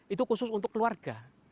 itu khusus untuk keluarga